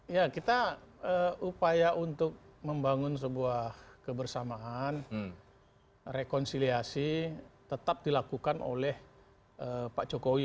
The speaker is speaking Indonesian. ya kita upaya untuk membangun sebuah kebersamaan rekonsiliasi tetap dilakukan oleh pak jokowi